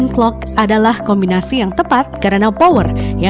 untuk bahan bakar baru ini akan lebih ramah lingkungan